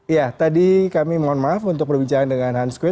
ya tadi kami mohon maaf untuk berbincang dengan hans kueh